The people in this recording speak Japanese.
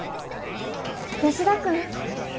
吉田君。